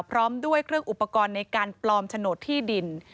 พร้อมด้วยเครื่องอุปกรณ์ในการปลอมโฉนดที่ดิน